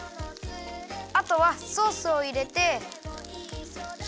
あとはソースをいれて。